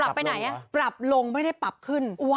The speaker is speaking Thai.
ไปไหนปรับลงไม่ได้ปรับขึ้น